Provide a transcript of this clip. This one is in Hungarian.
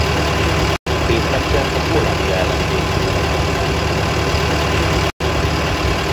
Tétmeccsen egy Hollandia elleni vb-selejtezőn játszhatott először.